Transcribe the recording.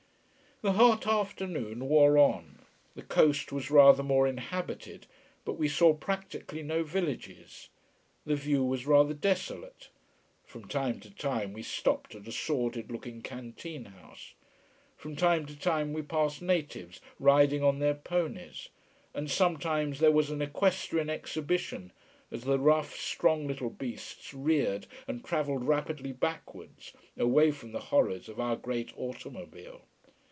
The hot afternoon wore on. The coast was rather more inhabited, but we saw practically no villages. The view was rather desolate. From time to time we stopped at a sordid looking canteen house. From time to time we passed natives riding on their ponies, and sometimes there was an equestrian exhibition as the rough, strong little beasts reared and travelled rapidly backwards, away from the horrors of our great automobile.